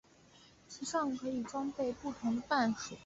其上可以装备不同的范数。